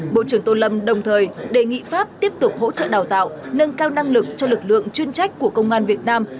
bộ trưởng tô lâm đồng thời đề nghị pháp tiếp tục hỗ trợ đào tạo nâng cao năng lực cho lực lượng chuyên trách của công an việt nam